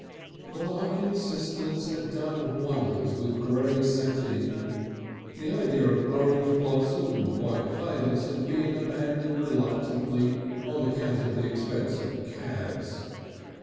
The Larkins sisters had done wonders with grey sateen. The idea of orange blossom and white veils had been abandoned reluctantly on account of the expense of cabs.